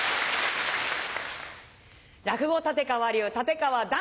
落語立川流立川談